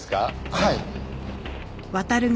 はい。